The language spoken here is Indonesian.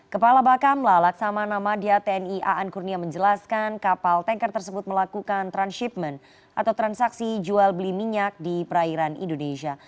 kepala bakamla laksamana madia tni aan kurnia menjelaskan kapal tanker tersebut melakukan transhipment atau transaksi jual beli minyak di perairan indonesia